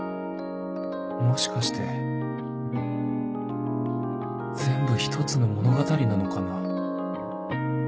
もしかして全部１つの物語なのかな